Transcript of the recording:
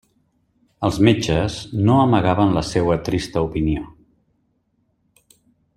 Els metges no amagaven la seua trista opinió.